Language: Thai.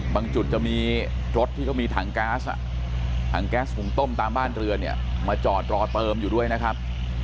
จุดจะมีรถที่เขามีถังแก๊สถังแก๊สหุงต้มตามบ้านเรือนเนี่ยมาจอดรอเติมอยู่ด้วยนะครับ